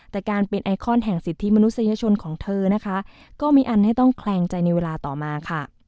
แต่การเป็นไอคอนแห่งสิทธิมนุษยชนของเธอนะคะก็มีอันให้ต้องแคลงใจในเวลาต่อมาค่ะ